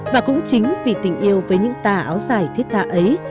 và cũng chính vì tình yêu với những tà áo dài thiết tha ấy